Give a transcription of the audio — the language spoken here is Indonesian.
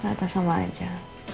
rata sama aja